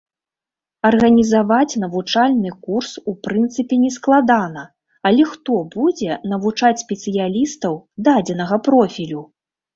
Арганізаваць навучальны курс у прынцыпе нескладана, але хто будзе навучаць спецыялістаў дадзенага профілю?